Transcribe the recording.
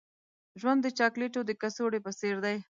ژوند د چاکلیټو د کڅوړې په څیر دی.